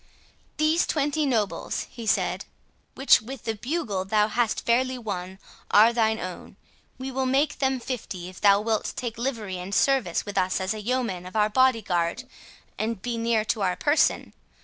"These twenty nobles," he said, "which, with the bugle, thou hast fairly won, are thine own; we will make them fifty, if thou wilt take livery and service with us as a yeoman of our body guard, and be near to our person.